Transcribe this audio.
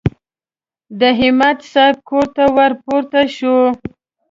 د همت صاحب کور ته ور پورته شوو.